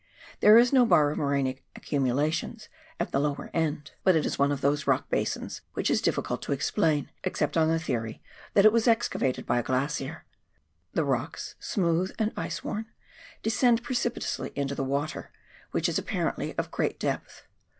There is no bar of morainic accumulations at the lower end, but it is one of those 264? PIONEER WORK IX THE ALPS OF XEW ZEALAND. rock basins which is difficult to explain, except on the theory that it was excavated by a glacier. The rocks, smooth and ice worn, descend precipitously into the water, which is apparently of great depth.